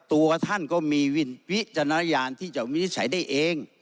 ตัวท่านก็มีวิจารณญาณที่จะวินิจฉัยได้เอง